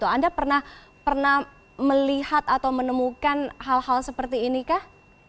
anda pernah melihat atau menemukan hal hal seperti inikah